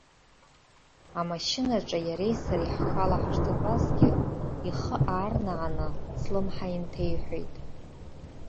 Амашьынаҿы иареи сареи ҳхала ҳашҭатәазгьы, ихы аарнааны, слымҳа инҭеиҳәеит.